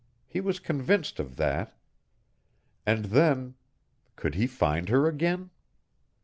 He was convinced of that. And then could he find her again?